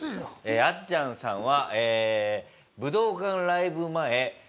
あっちゃんさんはええ武道館ライブ前